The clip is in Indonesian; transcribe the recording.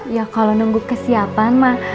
ya kalau nunggu kesiapan mah